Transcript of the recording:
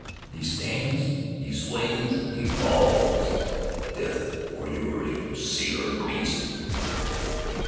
"He stands, he sways, he falls! Death for yours, you sailor beast!"